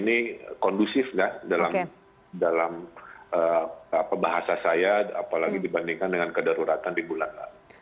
ini kondusif kan dalam bahasa saya apalagi dibandingkan dengan kedaruratan di bulan lalu